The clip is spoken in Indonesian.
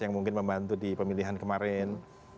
yang mungkin membantu di pemilihan kemarin